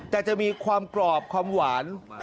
แต่จะมีความกรอบความหวาน